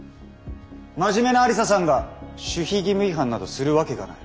真面目な愛理沙さんが守秘義務違反などするわけがない。